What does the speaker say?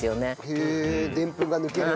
へえでんぷんが抜けるんだ。